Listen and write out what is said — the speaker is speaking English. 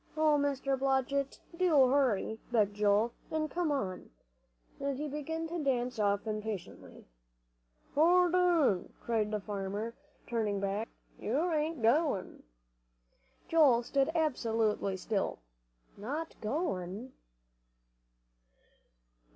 "Oh, Mr. Blodgett, do hurry," begged Joel, "and come." And he began to dance off impatiently. "Hold on!" cried the farmer, turning back, "you ain't goin'." Joel stood absolutely still. "Not going!"